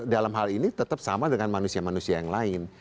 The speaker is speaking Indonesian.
dalam hal ini tetap sama dengan manusia manusia yang lain